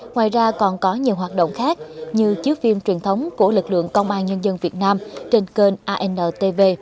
ngoài ra còn có nhiều hoạt động khác như chiếu phim truyền thống của lực lượng công an nhân dân việt nam trên kênh antv